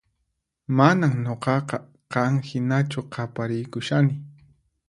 Manan nuqaqa qan hinachu qapariykushani